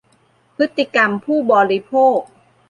พฤติกรรมผู้บริโภค